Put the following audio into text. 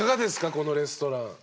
このレストラン。